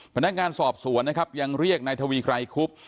พนักงานสอบสวนนะครับยังเรียกนายทวีไกรคุบ